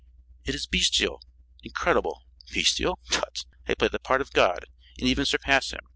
"It is bestial incredible." "Bestial? Tut! I play the part of God and even surpass Him.